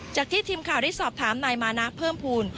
จากที่ทีมข่าวได้สอบถามนายมานะเพิ่มภูมิ